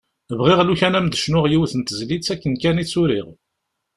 Bɣiɣ lukan ad m-d-cnuɣ yiwet n tezlit akken kan i tt-uriɣ.